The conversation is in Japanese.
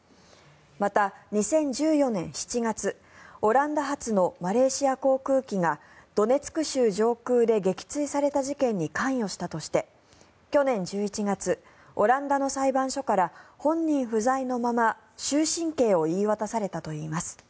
また、２０１４年７月オランダ発のマレーシア航空機がドネツク州上空で撃墜された事件に関与したとして去年１１月、オランダの裁判所から本人不在のまま終身刑を言い渡されたといいます。